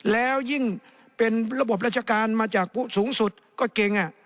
แล้วยิ่งเป็นระบบราชการมาจากผู้สูงสุดก็เก่ง